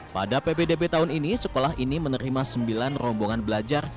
pada ppdb tahun ini sekolah ini menerima sembilan rombongan belajar